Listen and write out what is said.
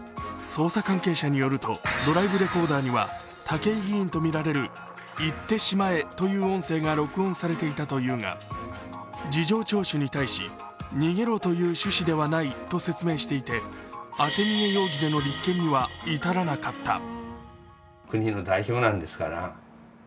捜査関係者によるとドライブレコーダーには武井議員とみられる行ってしまえという音声が録音されていたというが事情聴取に対し、逃げろという趣旨ではないと説明していて当て逃げ容疑での立件には至らなかった。